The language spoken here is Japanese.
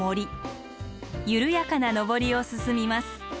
緩やかな登りを進みます。